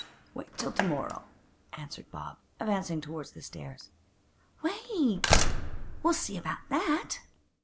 'Wait till to morrow,' answered Bob, advancing towards the stairs. 'Wait! we'll see about that!